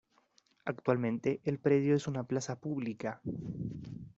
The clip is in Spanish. Actualmente el predio es una plaza pública.